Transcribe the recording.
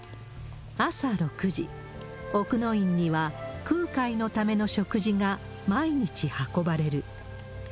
朝６時、奥之院には空海のための食事が毎日運ばれる。